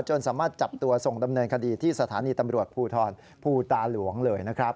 สามารถจับตัวส่งดำเนินคดีที่สถานีตำรวจภูทรภูตาหลวงเลยนะครับ